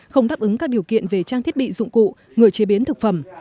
không đáp ứng các điều kiện về trang thiết bị dụng cụ người chế biến thực phẩm